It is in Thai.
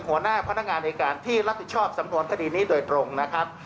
หัวหน้าพนักงานในการที่รับผิดชอบสำนวนคดีนี้โดยตรงนะครับ